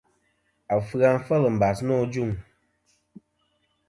Afɨ-a fel mbas nô ajuŋ.